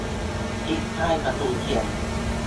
ทิศใต้ประตูเชียง